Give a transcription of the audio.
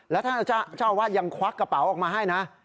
แล้วท่านเจ้าอาวาสยังควักกระเป๋าออกมาให้นะ